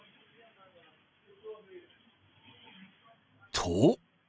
［と］